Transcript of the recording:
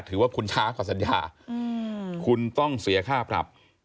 ถือว่าคุณช้ากว่าสัญญา